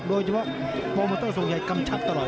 โดยเฉพาะโปรโมเตอร์ทรงใหญ่กำชับตลอด